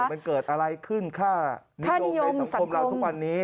มันเกิดอะไรขึ้นค่านิยมในสังคมเราทุกวันนี้